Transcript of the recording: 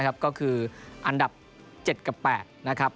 ก็คืออันดับ๗กับ๘